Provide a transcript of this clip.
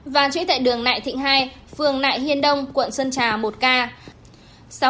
và chuỗi tại đường nại thịnh hai phường nại hiên đông quận sân trà một ca